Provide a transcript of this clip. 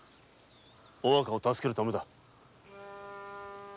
お若を助けるためだ。